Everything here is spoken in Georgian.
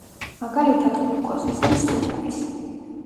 მაგალითად გლუკოზის ან ცხიმების.